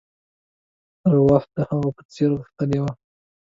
ارواح د هغه په څېر غښتلې وه.